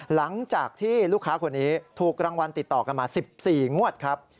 หลังจากที่ลูกค้าคนนี้ถูกรางวัลติดต่อกันมา๑๔งวดครับ